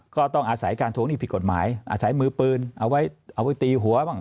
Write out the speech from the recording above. ก็ต้องอาศัยการทวงหนี้ผิดกฎหมายอาศัยมือปืนเอาไว้เอาไว้ตีหัวบ้าง